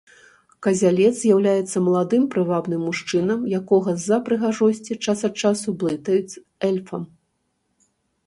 Казялец з'яўляецца маладым прывабным мужчынам, якога з-за прыгажосці час ад часу блытаюць з эльфам.